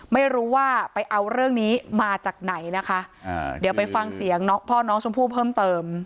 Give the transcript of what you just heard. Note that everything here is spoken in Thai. ไม่รู้ว่าไปเอาเรื่องนี้มาจากไหนนะคะอ่าเดี๋ยวไปฟังเสียงพ่อน้องชมพู่เพิ่มเติม